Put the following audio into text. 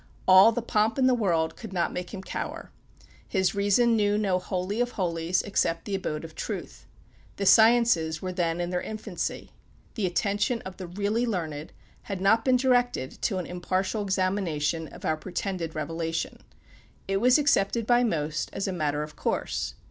All the pomp in the world could not make him cower. His reason knew no "Holy of Holies," except the abode of Truth. The sciences were then in their infancy. The attention of the really learned had not been directed to an impartial examination of our pretended revelation. It was accepted by most as a matter of course.